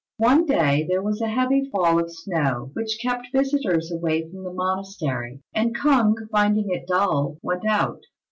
One day there was a heavy fall of snow which kept visitors away from the monastery; and K'ung, finding it dull, went out.